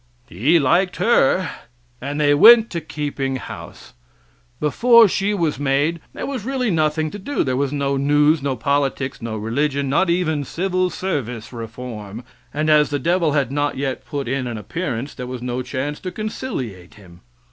He liked her and they went to keeping house. Before she was made there was really nothing to do; there was no news, no politics, no religion, not even civil service reform. And as the devil had not yet put in an appearance, there was no chance to conciliate him.